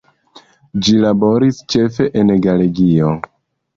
Ĝi laboris ĉefe en Galegio.